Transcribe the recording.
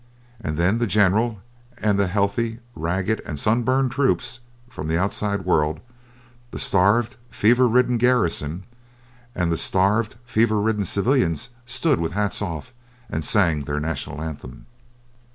And then the general and the healthy, ragged, and sunburned troopers from the outside world, the starved, fever ridden garrison, and the starved, fever ridden civilians stood with hats off and sang their national anthem.